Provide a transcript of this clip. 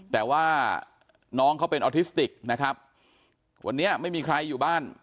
แต่ว่าน้องเขาเป็นออทิสติกนะครับวันนี้ไม่มีใครอยู่บ้าน